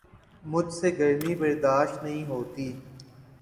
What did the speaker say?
مجھ سے گرمی برداشت نہیں ہوتی